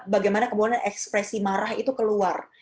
bagaimana kemudian ekspresi marah itu keluar